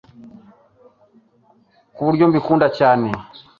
ku buryo mbikunda cyane